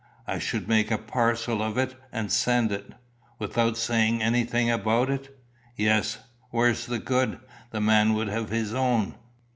"I should make a parcel of it, and send it." "Without saying anything about it?" "Yes. Where's the good? The man would have his own."